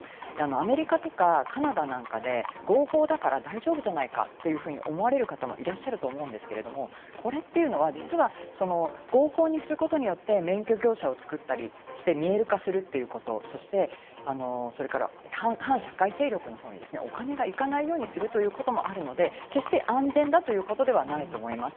アメリカとかカナダなんかで、合法だから大丈夫じゃないかというふうに思われる方もいらっしゃると思うんですけれど、これというのは実は合法にすることによって免許業者を作ったりして、見える化するということ、それから反社会勢力にお金が行かないようにするということもあるので、決して安全だということではないと思います。